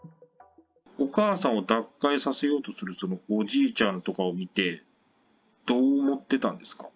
お母さんを脱会させようとする、そのおじいちゃんとかを見て、どう思っていたんですか。